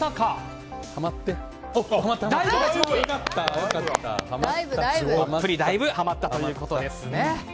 どっぷり、ダイブはまったということですね。